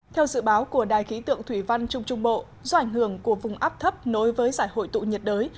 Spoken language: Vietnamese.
theo dự báo của đài khí tượng thủy văn trung trung bộ do ảnh hưởng của vùng áp thấp nối với giải hội tụ nhiệt đới